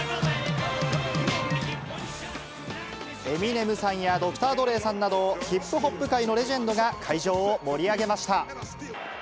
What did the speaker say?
エミネムさんやドクター・ドレーさんなど、ヒップホップ界のレジェンドが会場を盛り上げました。